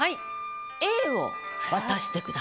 Ａを渡してください。